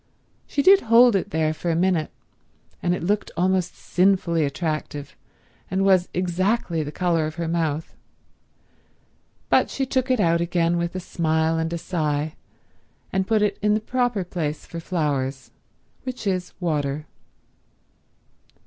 She did hold it there for a minute, and it looked almost sinfully attractive and was exactly the colour of her mouth, but she took it out again with a smile and a sigh and put it in the proper place for flowers, which is water.